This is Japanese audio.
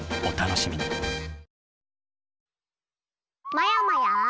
まやまや！